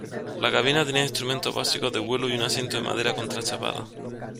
La cabina tenía instrumentos básicos de vuelo y un asiento de madera contrachapada.